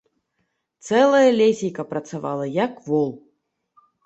Цэлае лецейка працавала як вол.